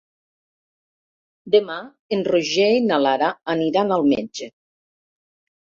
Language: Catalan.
Demà en Roger i na Lara aniran al metge.